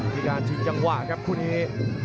มีการชั้นจังหวะครับครับคู่นี้